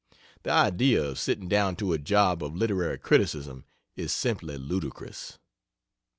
The idea of sitting down to a job of literary criticism is simply ludicrous.